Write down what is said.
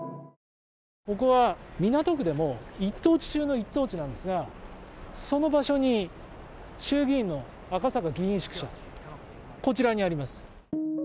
ここは港区でも一等地中の一等地なんですがその場所に衆議院の赤坂議員宿舎こちらにあります。